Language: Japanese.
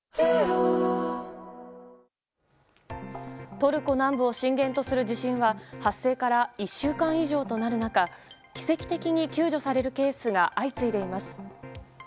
トルコ南部を震源とする地震は発生から１週間以上となる中奇跡的に救助されるケースが相次いでいます。